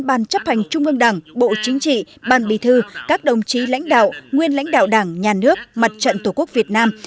ban chấp hành trung ương đảng bộ chính trị ban bì thư các đồng chí lãnh đạo nguyên lãnh đạo đảng nhà nước mặt trận tổ quốc việt nam